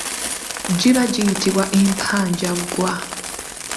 Giba giyitibwa empajangwa.